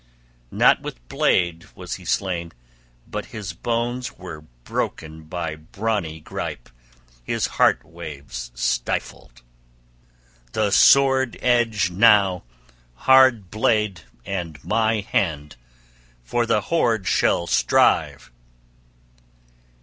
Not with blade was he slain, but his bones were broken by brawny gripe, his heart waves stilled. The sword edge now, hard blade and my hand, for the hoard shall strive."